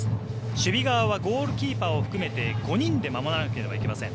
守備側はゴールキーパーを含めて４人で守らなければいけません。